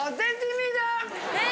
え！